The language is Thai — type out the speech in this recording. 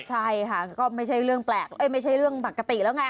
ใช่ค่ะก็ไม่ใช่เรื่องแปลกไม่ใช่เรื่องปกติแล้วไง